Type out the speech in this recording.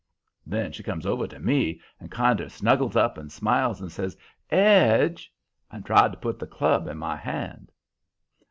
Then she comes over to me and kinder snuggles up and smiles, and says, ''Edge,' and tried to put the club in my hand.